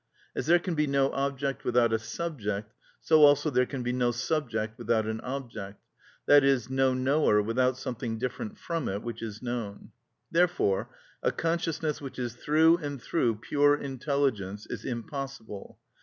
As there can be no object without a subject, so also there can be no subject without an object, i.e., no knower without something different from it which is known. Therefore a consciousness which is through and through pure intelligence is impossible.